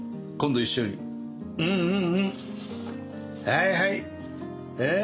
はいはいえ。